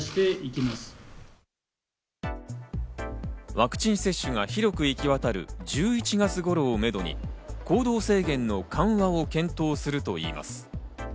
ワクチン接種が広く行き渡る１１月頃をめどに行動制限の緩和を検討するといいます。